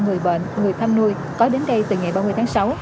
người bệnh người thăm nuôi có đến đây từ ngày ba mươi tháng sáu